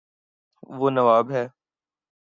وہ نواب ہے